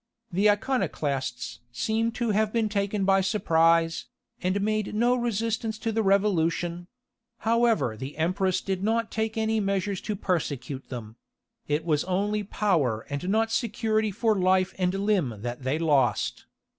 The Iconoclasts seem to have been taken by surprise, and made no resistance to the revolution: however the empress did not take any measures to persecute them; it was only power and not security for life and limb that they lost.